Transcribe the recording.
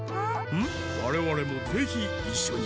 われわれもぜひいっしょに。